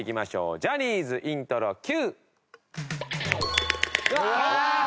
ジャニーズイントロＱ！